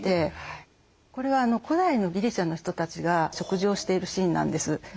これは古代のギリシャの人たちが食事をしているシーンなんです。